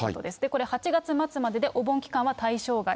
これ、８月末までで、お盆期間は対象外。